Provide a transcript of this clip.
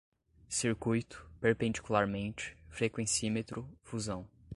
circuito, perpendicularmente, frequencímetro, fusão